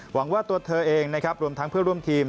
หวังว่าตัวเธอเองนะครับรวมทั้งเพื่อร่วมทีม